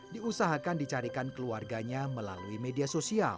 diusahakan dicarikan keluarganya melalui media sosial